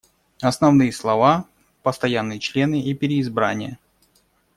Основные слова — постоянные члены и переизбрание.